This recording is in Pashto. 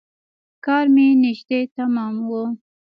کار مې نژدې تمام و.